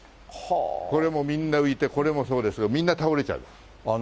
これもみんな浮いて、これもそうですが、みんな倒れちゃうんです。